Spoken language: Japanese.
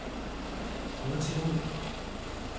こんな違うんだなと。